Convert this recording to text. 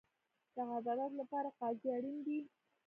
د عدالت لپاره قاضي اړین دی